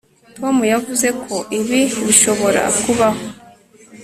Tom yavuze ko ibi bishobora kubaho